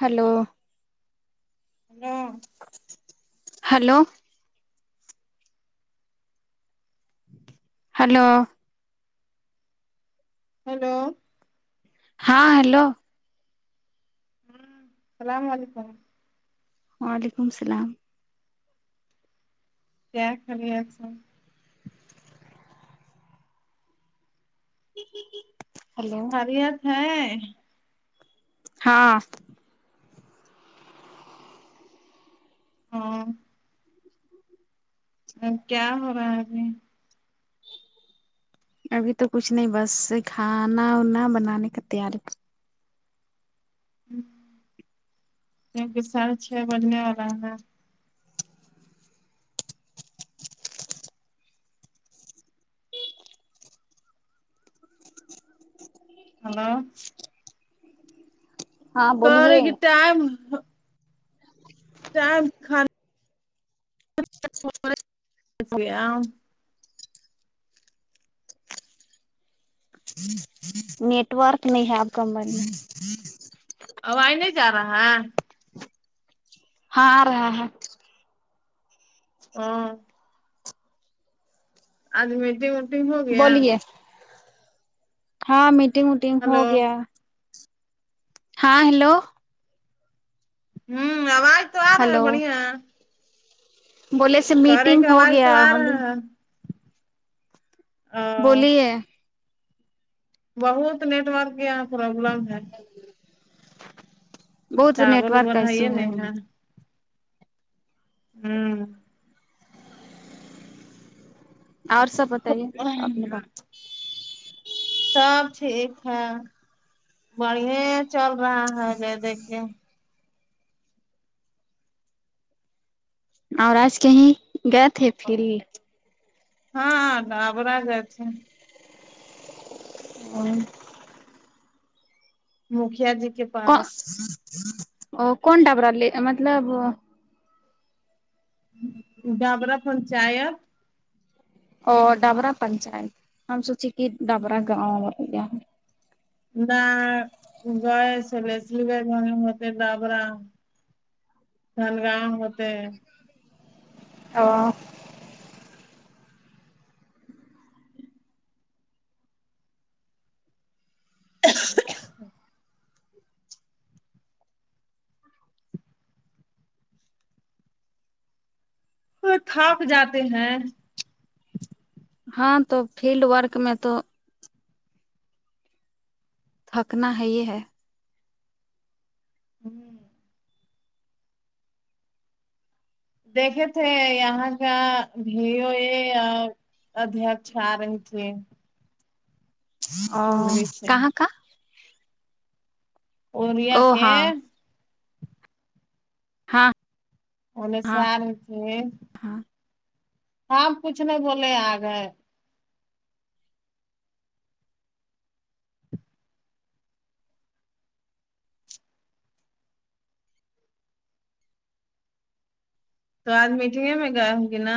hello hello hello hello hello ہاں hello ہوں السلام علیکم وعلیکم السلام کیا خیریت سے ہیلو خیریت ہے ہاں ہاں ا کیا ہو رہا ہے ابھی ابھی تو کچھ نہیں بس کھانا وانا بنانے کا تیاری دن کے ساڑھے چھ بجنے والے ہے نا ہلو ہاں بولیے کرے گی ٹائم ٹائم خالی گیا [unintelligible] نیٹورک نہیں ہےآپ کمپنی [unintelligible] آ واز نہیں جا رہا ہے ہاں آرہا ہے ہا آج میٹنگ ویٹنگ ہو گیا بولیے ہاں میٹنگ وٹنگ ہو ہلو گیا ہاں ہیلو ہوں آواز تو آ رہا ہے ہلو بڑھیا بولے سے کرے میٹنگ کا ہو آواز گیا تو آ ہیلو رہا ہے ا بولئیے بہت نیٹورک یہاں پروبلم ہے بہت ٹاور نیٹورک کا اوبر ایشو یہ ہے نہیں ہوں اور سب بتائیے اپنی بات سب ٹھیک ہے بڑیا چل رہا ہے یہ دیکھئیے اور آج کہیں گئے تھے پھر بھی ہاں ڈابرا گئے تھے ہوں مکھیا جی کے پاس ا کون ڈپررالے مطلب ڈابرا پنچایت اور ڈبرا پنچایت ہم سوچی کہ ڈبرا گاؤں نہ گائے چول اسلی گے [unintelligible] م ڈابرا سھلگاؤ ہوتے [unintelligible] ہاں وہ تھک جاتے ہیں ہاں تو فیلڈ ورک میں تو تھکنا ہے ہی ہے ہوں دیکھے تھے یہاں کا بھی ہو یہ اور ابھی اچھا آ رہی تھی ا کنندری سے کہاں کا اور ریا او کے ہاں ہاں ا ہاں سارے تھ [unintelligible] ہاں آپ کچھ نہیں بولے آ گئے تو آج میٹنگ ہے میں کہوں گی نا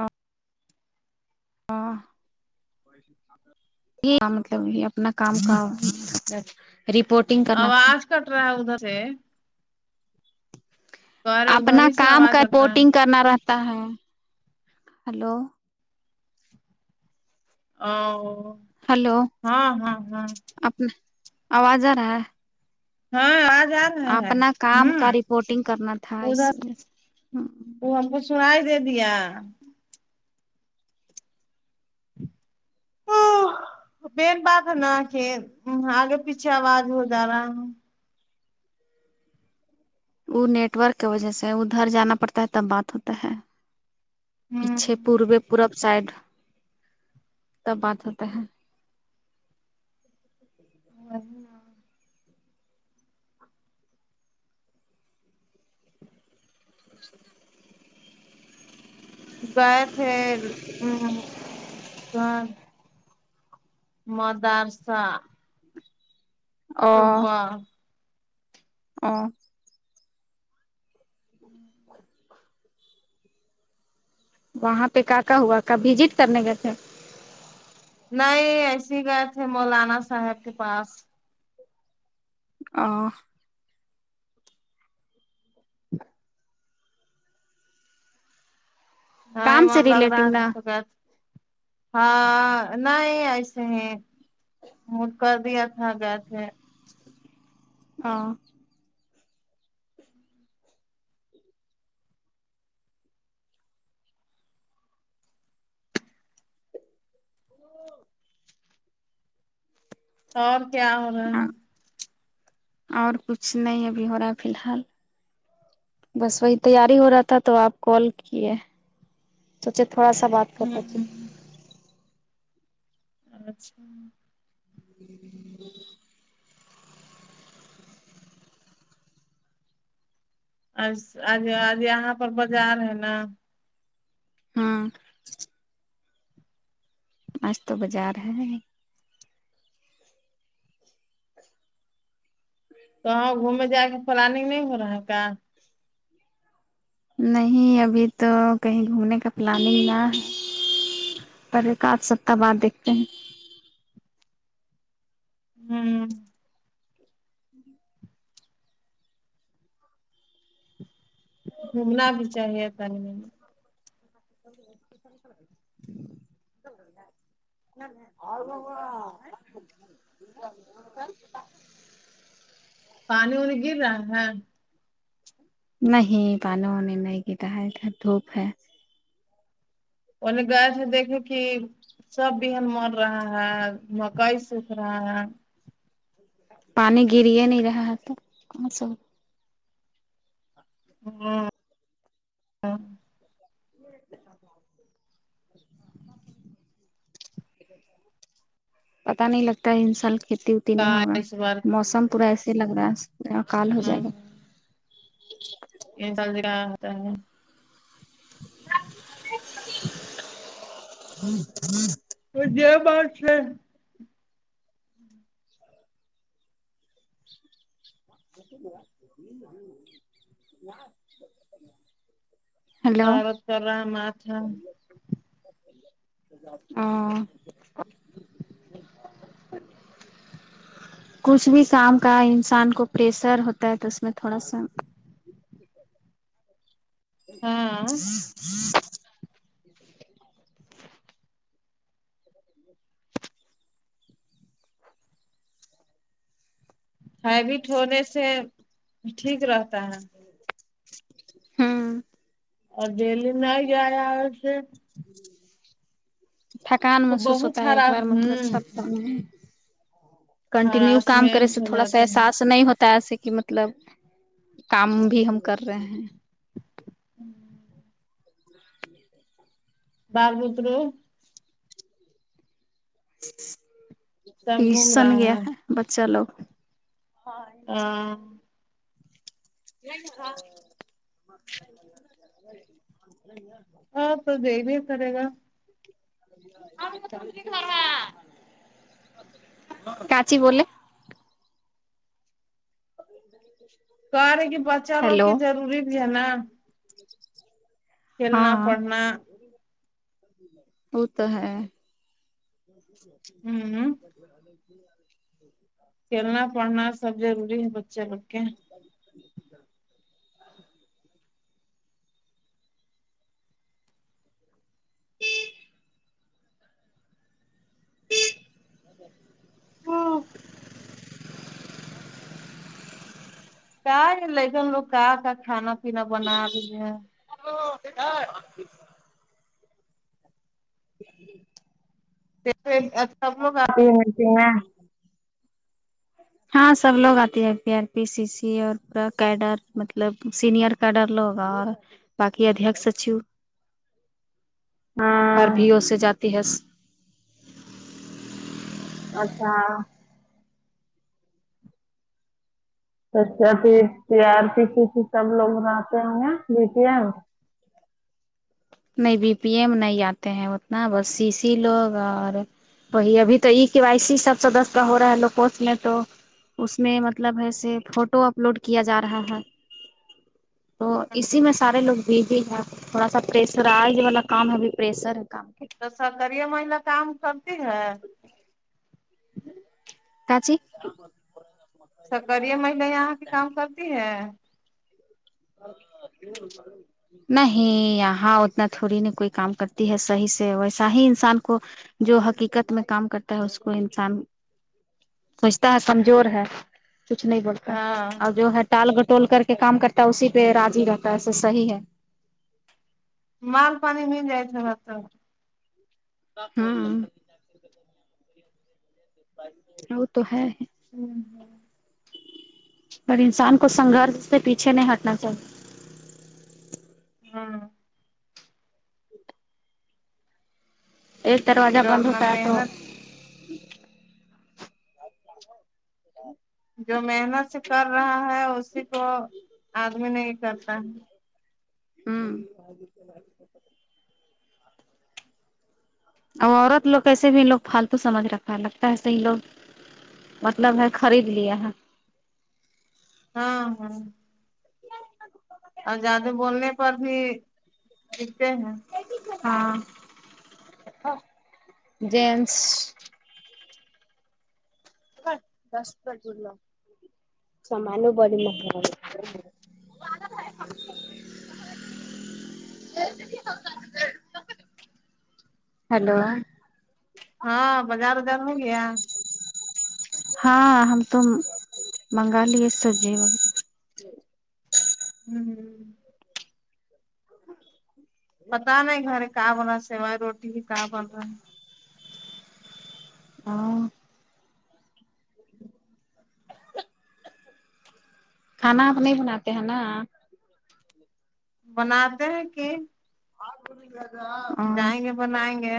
آں ہاں یہ مطلب یہ اپنا کام کا رپورٹ آواز کٹ رہا ہے ادھر سے کرے ادھر اپنا ہی سے کام آواز کا کٹ رہا رپورٹنگ ہے کرنا رہتا ہے ہلو او ہلو ہاں ہاں ہاں اپنا آواز آ رہا ہے ہاں آواز آر اپنا کام کا رپورٹنگ کرنا تھا اس ادھر میں ہاں وہ ہم کو سنائی دے دیا پین بات ہے نا کہ آگے پیچھے آواز ہو جا رہا ہے وہ نیٹ ورک کی وجہ سے ادھر جانا پڑتا ہے تب بات ہوتا ہے پیچھے پوربے پورب سائڈ تب بات ہوتا ہے وہی نا [inaudible] گئے تھے ہوں گھر مدرسہ صبح اوں وہاں پہ کا کا ہوا ک وزٹ کرنے گئے تھے نہیں ایسی گئے تھے مولانا صاحب کے پاس آں وں نہیں کام من سے لگ رہا ہے ریلیٹو نا تو گئے ہاں نہیں ایسے ہی موڈ کر دیا تھا گئے تھے ہاں وہ اور کیا ہو رہا اور کچھ نہیں ابھی ہو رہا ہے فی الحال بس وہی تیاری ہو رہا تھا تو آپ کال کیے سوچے تھوڑا سا بات کر ہوں لیتی ہوں ہوں اچھا [inaudible] آج آج آج یہاں پر بازار ہے نا ہاں آج تو بازار ہے تو اب گھومے جانے پلاننگ نہیں ہو رہا ہے کیا نہیں ابھی تو کہیں گھومنے کا پلاننگ نہ پر ایک آدھ سپتاح بعد دیکھتے ہیں ہوں گھومنا بھی چاہیے [unintelligible] [unintelligible] آ ہو [unintelligible] پانی وانی گر رہا ہے نہیں پا نی و ا نی نہیں گر رہا ہے ادھر دھوپ ہے ان نے گائے پھر دیکھی تھی سب بہن مر رہا ہے مکئی سک رہا ہے پانی گر ہی نہیں رہا ہے تو وہ کونسا ہاں پتا نہیں لگتا ہے اس سال کھیتی کا نہیں ہوگا اس بار موسم پورا ایسے لگ رہا ہےکال ہو جائے گا ان چلدتا [unintelligible] ہوں ہوں [inaudible] تو یہ بات ہے [unintelligible] دعوت کر رہا ہے ہم آپ [unintelligible] ہ [unintelligible] کچھ بھی کام کا انسان کو پریسر ہوتا ہے تو اس میں تھوڑا سا ہاں ہوں [unintelligible] ہیبٹ ہونے سے ٹھیک رہتا ہے ہوں اور دہلی میں ہی گیایا ہے ا سے تھکان محسوس ہوتا بہت ہے ایک ہرا بار مطلب ہوں سبتام میں کنٹینیو کام کرے ہراسمنٹ سے ہو تھوڑا سا جاتا ہے احساس نہیں ہوتا ایسے کہ مطلب کام بھی ہم کر رہے ہیں ہوں بال میتروں سب گھوم ٹیوشن گیا رہا ہے اب چلو ہ آ پ کو دینا ہی پڑے گا کچی ب [unintelligible] ج کہ رہے کہ بچے لوگ کی ضروری بھی ہے نا کھیلنا ہاں پڑھنا وہ تو ہے ہوں کھیلنا پڑھنا سب ضروری ہے بچے لو گ کے ہاں کہ یہ لیکن لوگ کہاں کا کھانا پینا بنا رہی ہے جی [unintelligible] سب لوگ آتے ہیں میٹنگ میں ہاں سب لوگ آتے ہے پی آر پی سی سی اور پورا کیڈر مطلب سینئر کیڈر لوگ ہوگا باقی ادھییک سچیو ہر ہاں بھیو سے جاتی ہس اچھا اچھا پھر پیار کی سب لوگ مناتے ہے دیکھئے نہیں بی پی ایم نہیں آتے ہیں اتنا بس سی سی لوگ ارہے وہی ابھی تو ای کی وائی سی سب سدسیا کا ہو رہا ہے کورس میں تو اس میں مطلب ہے سے فوٹو اپلوڈ کیا جا رہا ہے تو اسی میں سارے لوگ بیزی ہے تھوڑا سا پریشرائز والا کام ہے ابھی پریسر ہے کا تو سرکاریا مہیلا کام کرتی ہے تاچی سرکریا مہیلا یہاں کی کام کرتی ہے [inaudible] نہیں یہاں اتنا تھوڑی نہیں کوئی کام کرتی ہے صحیح سے ویسا ہی انسان کو جو حقیقت میں کام کرتا ہے اس کو انسان سوچتا ہے کمزور ہے چپ نہیں بولتا ہاں اور جو ہے ٹال گٹول کر کے کام کر تا اسی پہ راضی رہتا ہے ایسا صحیح ہے مال پانی مل جائے تھوڑا سا ہاں [unintelligible] ہاں وو تو ہے ہوں پر انسان کو سنگھرش سے پیچھے نہیں ہٹنا چاہیے ہاں ایک دروازہ جو بند اپنا ہوتا ہے تو محنت جو محنت سے کر رہا ہے اسی کو آدمی نہیں کرتا ہے ہوں اور عورت لوگ کیسے بھی یہ لوگ فالتو سمجھ رکھا لگتا ہے ایسے ہی لوگ مطلب ہے خرید لیا ہے ہاں ہاں اور زیادہ بولنے پر بھی چیڑتے ہیں ہاں جینس دس بجے اٹھنا سبھال [unintelligible] ہلو ہاں بازار وزار نہیں گیا ہاں ہم تو منگا لیے سبزی وغیرہ ہوں پتا نہیں گھر کہاں بنا سوائے روٹی بھی کہ بن رہا ہاں کھانا آپ نہیں بناتے ہیں نا بنا تے ہیں کہ جائیں گے آں بنائیں گے